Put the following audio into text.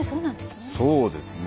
そうですね。